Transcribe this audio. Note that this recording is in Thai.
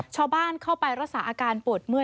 ชาวบ้านเข้าไปรักษาอาการปวดเมื่อย